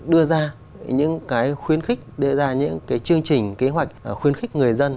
đưa ra những cái khuyến khích đưa ra những cái chương trình kế hoạch khuyến khích người dân